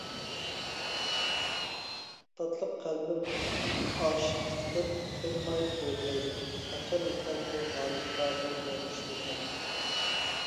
تاتلىق قەلبىم ئاشىقلىقتىن تىنماي ئۆرتەيدۇ، قاچان يېتەر بۇ ھالىمغا بۇ بايقۇش دۇنيا؟!